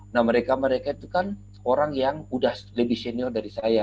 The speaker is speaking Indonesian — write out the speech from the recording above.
nah mereka mereka itu kan orang yang udah lebih senior dari saya